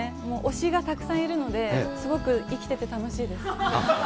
もう推しがたくさんいるので、すごくいきててたのしいです。